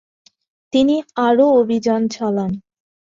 তিনি আরও অভিযান চালান।